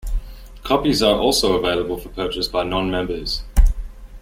Copies are also available for purchase by non-members.